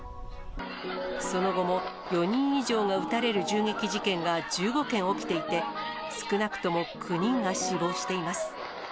その後も、４人以上が撃たれる銃撃事件が１５件起きていて、少なくとも９人が死亡しています。